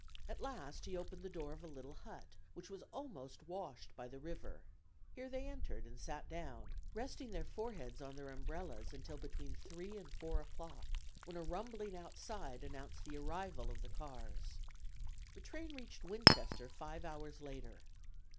At last he opened the door of a little hut, which was almost washed by the river. Here they entered and sat down, resting their foreheads on their umbrellas until between 3 and 4 o'clock, when a rumbling outside announced the arrival of the cars. The train reached Winchester five hours later.